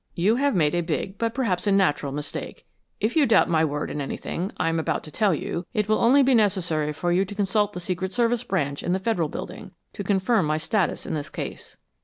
"You have made a big but perhaps a natural mistake. If you doubt my word in anything I am about to tell you, it will only be necessary for you to consult the Secret Service branch in the Federal Building, to confirm my status in this case."